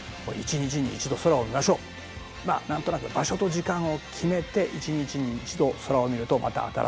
まあ何となく場所と時間を決めて一日に一度空を見るとまた新しい発見があるんじゃないでしょうか。